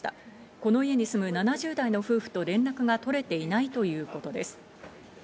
この家に住む７０代の夫婦と連絡が取れていないということです。